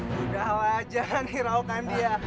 sudahlah jangan nyerahkan dia